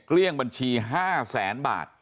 เลี่ยงบัญชี๕แสนบาท